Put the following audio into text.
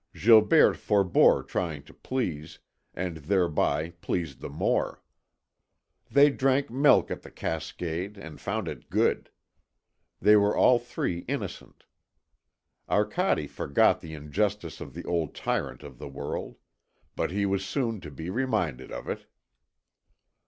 Gilberte forbore trying to please, and thereby pleased the more. They drank milk at the Cascade, and found it good. They were all three innocent. Arcade forgot the injustice of the old tyrant of the world. But he was soon to be reminded of it.